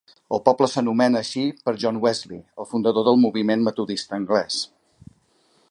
El poble s'anomena així per John Wesley, el fundador del moviment metodista anglès.